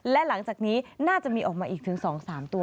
และหลังจากนี้น่าจะมีออกมาอีกถึง๒๓ตัว